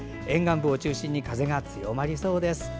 沿岸部を中心に風が強まりそうです。